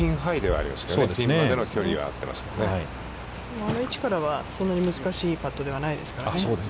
あの位置からは、そんなに難しいパットではないですからね。